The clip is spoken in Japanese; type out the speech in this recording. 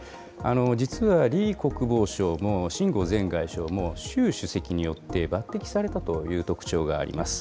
実は李国防相も秦剛前外相も、習主席によって抜てきされたという特徴があります。